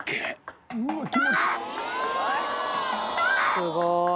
すごい。